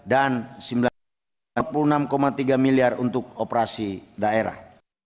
rp sembilan puluh enam tiga miliar untuk operasi daerah